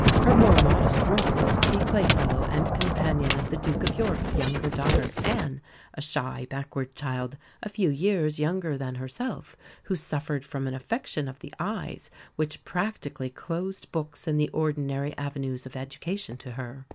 Her more modest rôle was to be playfellow and companion of the Duke of York's younger daughter, Anne a shy, backward child, a few years younger than herself, who suffered from an affection of the eyes, which practically closed books and the ordinary avenues of education to her.